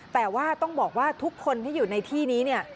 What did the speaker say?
แต่ว่าต้องบอกว่าทุกคนที่อยู่ในที่นี้เนี่ย